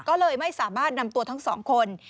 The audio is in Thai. ก็เลยไม่สามารถนำตัวทั้งสองคน